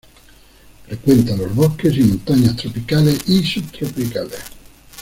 Frecuenta los bosques y montañas tropicales y subtropicales.